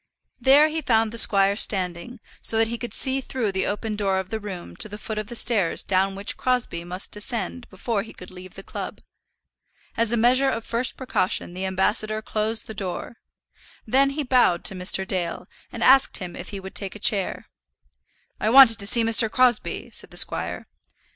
There he found the squire standing, so that he could see through the open door of the room to the foot of the stairs down which Crosbie must descend before he could leave the club. As a measure of first precaution the ambassador closed the door; then he bowed to Mr. Dale, and asked him if he would take a chair. "I wanted to see Mr. Crosbie," said the squire.